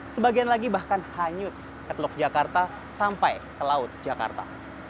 sebagian lagi bahkan hanyut ke teluk jakarta sampai ke laut jakarta